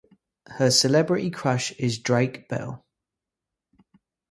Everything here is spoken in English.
Her celebrity crush is Drake Bell.